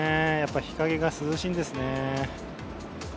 日陰が涼しいんですね。